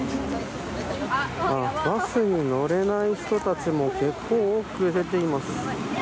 バスに乗れない人たちも結構多く出ています。